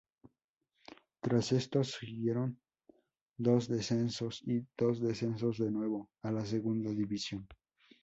Tras esto siguieron dos descensos y dos ascensos de nuevo a la segunda división.